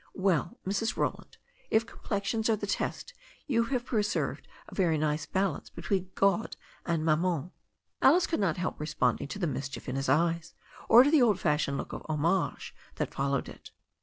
"Well, Mrs. Roland, if complexions are the test, you have preserved a very nice balance between God and mammon." Alice could not help responding to the mischief in his eyes, or to the old fashioned look of homage that followed it.